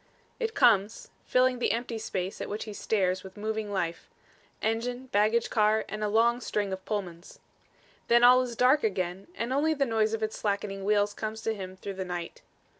It comes filling the empty space at which he stares with moving life engine, baggage car and a long string of Pullmans. Then all is dark again and only the noise of its slackening wheels comes to him through the night.